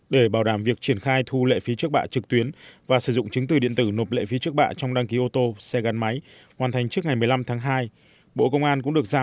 để bảo đảm việc triển khai thu lệ phí trước bạ trực tuyến và sử dụng chứng từ điện tử nộp lệ phí trước bạ trong đăng ký ô tô xe gắn máy hoàn thành trước ngày một mươi năm tháng hai